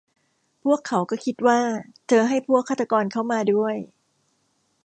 พวกเขาก็คิดว่าเธอให้พวกฆาตกรเข้ามาด้วย